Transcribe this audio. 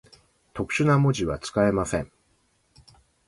特殊な文字は、使えません。